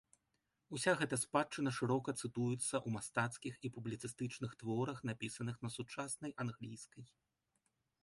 Уся гэта спадчына шырока цытуецца ў мастацкіх і публіцыстычных творах, напісаных на сучаснай англійскай.